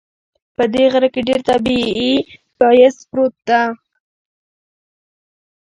په دې غره کې ډېر طبیعي ښایست پروت ده